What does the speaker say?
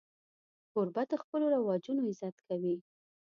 کوربه د خپلو رواجونو عزت کوي.